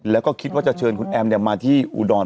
แล้วก็คิดว่าจะเชิญคุณแอมมาที่อุดร